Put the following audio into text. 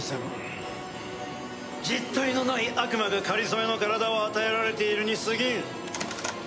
実体のない悪魔が仮初めの体を与えられているに過ぎん。